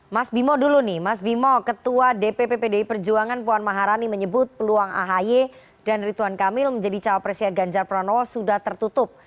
mas bimo dulu nih mas bimo ketua dpp pdi perjuangan puan maharani menyebut peluang ahi dan rituan kamil menjadi cawapresnya ganjar pranowo sudah tertutup